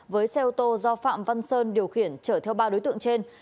với xe ô tô do phạm văn sơn điều khiển chở theo ba đối tượng trên